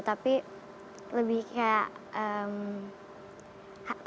tapi lebih kayak